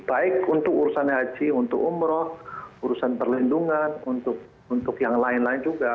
baik untuk urusan haji untuk umroh urusan perlindungan untuk yang lain lain juga